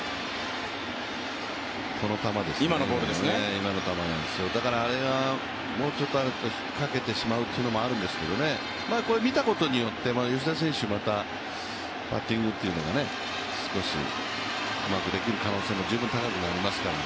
今の球です、あれがもうちょっと引っかけてしまうというのもあるんですけどこれを見たことによって、吉田選手のバッティングが少しうまくできる可能性も十分高くなりますから。